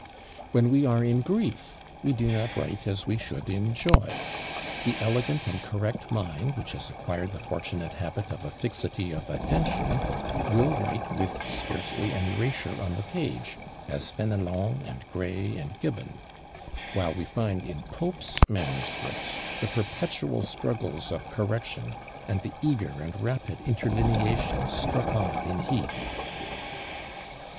When we are in grief, we do not write as we should in joy. The elegant and correct mind, which has acquired the fortunate habit of a fixity of attention, will write with scarcely an erasure on the page, as Fenelon, and Gray, and Gibbon; while we find in Pope's manuscripts the perpetual struggles of correction, and the eager and rapid interlineations struck off in heat.